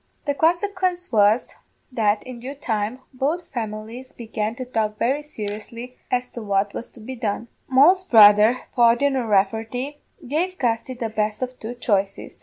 The quensequence was, that in due time both families began to talk very seriously as to what was to be done. Moll's brother, Pawdien O'Rafferty, gave Gusty the best of two choices.